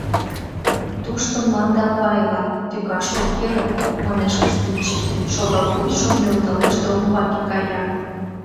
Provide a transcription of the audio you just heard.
— Тушто мланде ава ила, тӱкаш ок йӧрӧ, — манеш Кыстинчи, шогавуйжым нӧлталеш да умбаке кая.